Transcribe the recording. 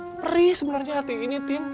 perih sebenarnya hati ini tim